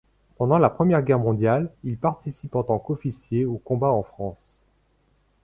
Pendant la Première Guerre mondiale, il participe en tant qu’officier, aux combats en France.